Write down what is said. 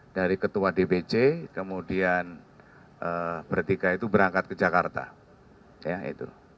dari ketua dpc kemudian bertiga itu berangkat ke jakarta